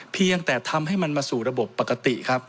เพียงแต่ทำให้มันมาสู่ระบบปกติครับ